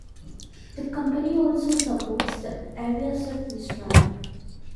The company also supports the Aviasud Mistral.